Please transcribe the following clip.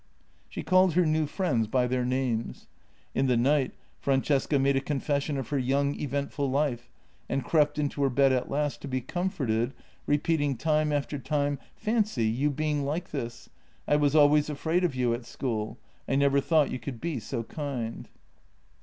She called her new friends by their names. In the night Francesca made a confession of her young, eventful life, and crept into her bed at last to be comforted, repeating time after time: " Fancy, you being like this! I was always afraid of you at school. I never thought you could be so kind!